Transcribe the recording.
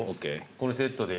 このセットで。